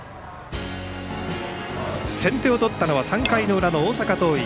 先手を取ったのは３回の裏の大阪桐蔭。